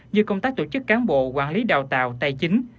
như công tác tổ chức cán bộ quản lý đào tạo tài chính